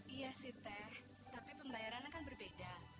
iya sih teh tapi pembayaran akan berbeda